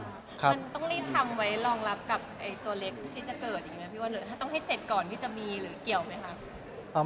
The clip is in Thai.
มันต้องรีบทำไว้รองรับกับตัวเล็กที่จะเกิดอย่างนี้พี่วันหรือถ้าต้องให้เสร็จก่อนที่จะมีหรือเกี่ยวไหมคะ